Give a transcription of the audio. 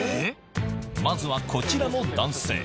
まずはこちらの男性